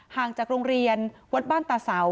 ห่างจากโรงเรียนวัดบ้านตาเสา